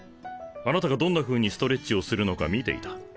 あなたがどんなふうにストレッチをするのか見ていた。